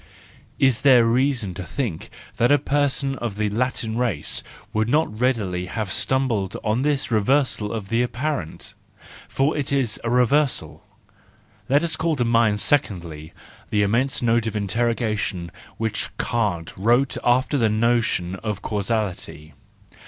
Is there reason 20 jo6 THE JOYFUL WISDOM, V to think that a person of the Latin race would not readily have stumbled on this reversal of the apparent ?—for it is a reversal. Let us call to mind secondly, the immense note of interrogation which Kant wrote after the notion of causality.